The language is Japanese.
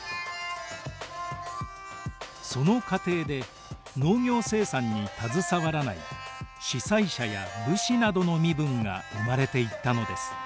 その過程で農業生産に携わらない司祭者や武士などの身分が生まれていったのです。